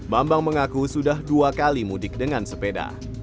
bambang mengaku sudah dua kali mudik dengan sepeda